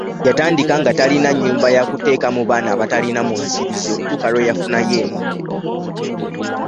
Yatandika nga talina nnyumba yakuteekamu baana abatalina mwasiriza okutuuka lwe yafunayo emu.